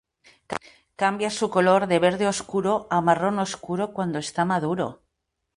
Cambia su color de verde oscuro a marrón oscuro cuando está maduro.